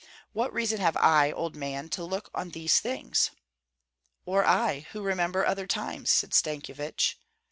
What reason have I, old man, to look on these things?" "Or I, who remember other times?" said Stankyevich.